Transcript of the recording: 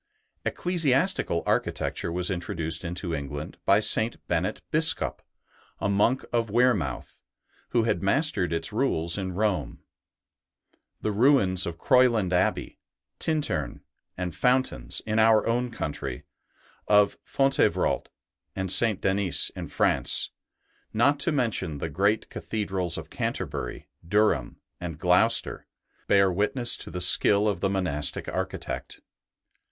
Ecclesiastical architecture was introduced into England by St. Bennet Biscop, a monk of Wearmouth, who had mastered its rules in Rome. The ruins of Croyland Abbey, Tintern, and Fountains in our own country, of Fontevrault and St. Denis in France, not to mention the great cathedrals of Canterbury, Durham, and Gloucester, bear witness to the skill of the monastic architect.